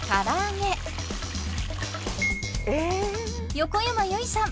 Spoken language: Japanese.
横山由依さん